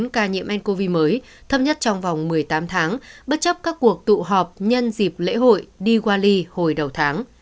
ca nhiễm ncov mới thấp nhất trong vòng một mươi tám tháng bất chấp các cuộc tụ họp nhân dịp lễ hội đi qua ly hồi đầu tháng